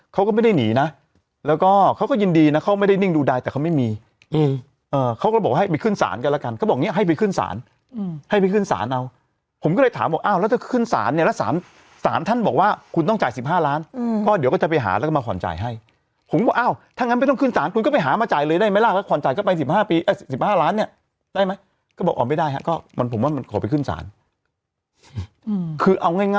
เขาก็ไม่ได้หนีนะแล้วก็เขาก็ยินดีนะเขาไม่ได้นิ่งดูได้แต่เขาไม่มีเออเขาก็บอกให้ไปขึ้นศาลกันแล้วกันเขาบอกเนี้ยให้ไปขึ้นศาลอืมให้ไปขึ้นศาลเอาผมก็เลยถามบอกอ้าวแล้วถ้าขึ้นศาลเนี้ยแล้วศาลศาลท่านบอกว่าคุณต้องจ่ายสิบห้าล้านอืมก็เดี๋ยวก็จะไปหาแล้วก็มาข่อนจ่ายให้ผมบอกอ้าวถ้างั้นไม่ต้องขึ